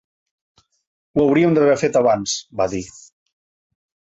Ho hauríem d’haver fet abans, va dir.